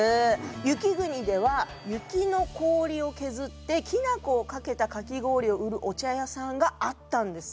雪国では雪の氷を削ってきな粉をかけたかき氷を売るお茶屋さんがあったんです。